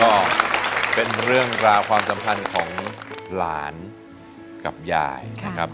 ก็เป็นเรื่องราวความสัมพันธ์ของหลานกับยายนะครับ